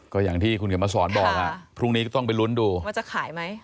ก็อย่างที่คุณเขียนมาสอนบอกพรุ่งนี้ก็ต้องไปลุ้นดูว่าจะขายไหม